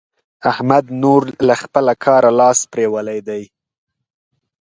احمد نور له خپله کاره لاس پرېولی دی.